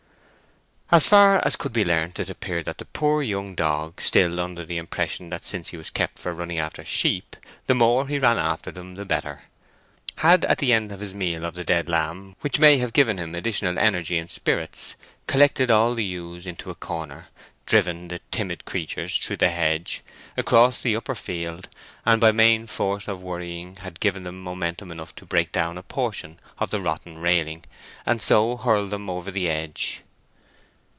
As far as could be learnt it appeared that the poor young dog, still under the impression that since he was kept for running after sheep, the more he ran after them the better, had at the end of his meal off the dead lamb, which may have given him additional energy and spirits, collected all the ewes into a corner, driven the timid creatures through the hedge, across the upper field, and by main force of worrying had given them momentum enough to break down a portion of the rotten railing, and so hurled them over the edge.